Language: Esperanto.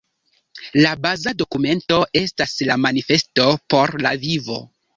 La baza dokumento estas la “Manifesto por la vivo“.